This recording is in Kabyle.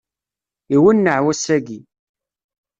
Iwenneɛ wass-aki.